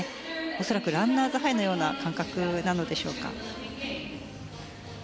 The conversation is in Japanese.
恐らくランナーズハイのような感覚なのでしょうか。